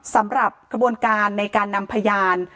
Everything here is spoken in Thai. สำหรับกระบวนการในการนำพยาน